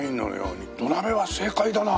土鍋は正解だな。